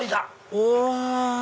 お！